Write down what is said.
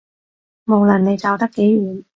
無論你走得幾遠